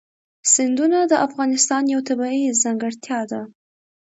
سیندونه د افغانستان یوه طبیعي ځانګړتیا ده.